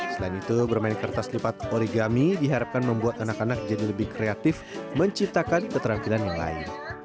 selain itu bermain kertas lipat oligami diharapkan membuat anak anak jadi lebih kreatif menciptakan keterampilan yang lain